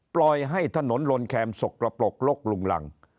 ปล่อยให้ถนนลนแคมสกกระปรกลกลุงรัง